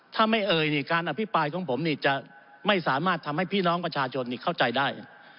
ถ้าไม่เอ่ยนี่การอภิปรายของผมนี่จะไม่สามารถทำให้พี่น้องประชาชนเข้าใจได้